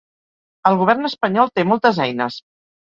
El govern espanyol té moltes eines.